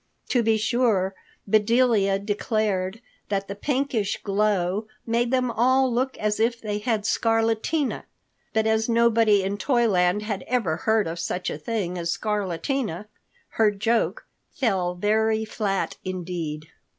To be sure, Bedelia declared that the pinkish glow made them all look as if they had scarletina. But as nobody in Toyland had ever heard of such a thing as scarletina, her joke fell very flat indeed.